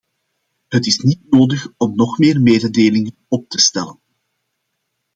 Het is niet nodig om nog meer mededelingen op te stellen.